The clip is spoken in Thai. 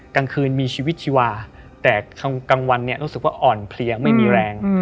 กลางคืนมีชีวิตชีวาแต่กลางวันเนี่ยรู้สึกว่าอ่อนเพลียไม่มีแรง